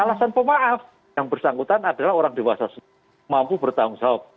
alasan pemaaf yang bersangkutan adalah orang dewasa mampu bertanggung jawab